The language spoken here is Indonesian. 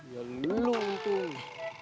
ya lu lo untung